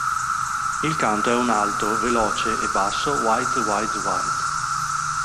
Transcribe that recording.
Il canto è un alto, veloce e basso "wize-wize-wize".